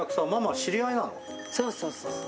そうそうそうそうそう。